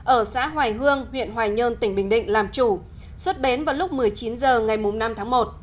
ở xã hoài hương huyện hoài nhơn tỉnh bình định làm chủ xuất bến vào lúc một mươi chín h ngày năm tháng một